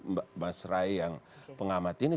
mbak mas rai yang pengamat ini